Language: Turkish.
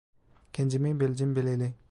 Kendimi bildim bileli.